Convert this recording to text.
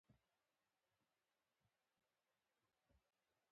دوکاندار د ورځې کار شپه نه پورې نه غځوي.